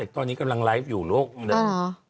พี่เศกตอนนี้กำลังไลฟ์อยู่ลูกนึงอ๋อ